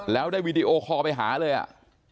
แล้วได้วีดีโอคอลไปหาเลยอ่ะ